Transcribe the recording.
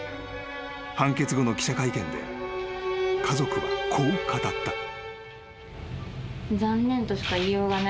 ［判決後の記者会見で家族はこう語った］